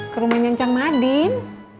ke rumah nyencang madin